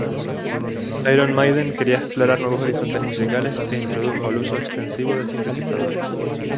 Iron Maiden quería explorar nuevos horizontes musicales e introdujo el uso extensivo de sintetizadores.